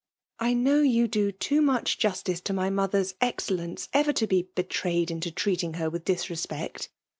" I know you do too much 14 FEMALE DOlflNATIOK. justice to my mother's excellence ever to be betrayed into treating her idth disrespect.